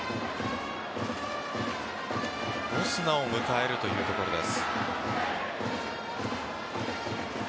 オスナを迎えるところです。